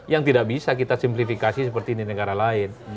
yang tidak bisa kita simplifikasi seperti di negara lain